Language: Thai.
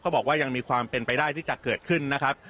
บอกว่ายังมีความเป็นไปได้ที่จะเกิดขึ้นนะครับ